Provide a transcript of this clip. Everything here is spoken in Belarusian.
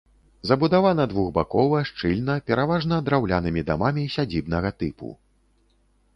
Забудавана двухбакова, шчыльна, пераважна драўлянымі дамамі сядзібнага тыпу.